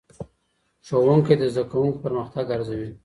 ښوونکی د زدهکوونکو پرمختګ ارزوي.